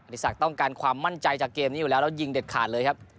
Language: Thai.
สักต้องการความมั่นใจจากเกมนี้อยู่แล้วแล้วยิงเด็ดขาดเลยครับ